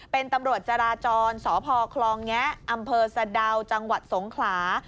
เป็นตำรวจจราจรสพคลองแงะอำเภอสะดาวจังหวัดสงขลา